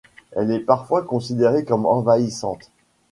Elle est parfois considérée comme envahissante.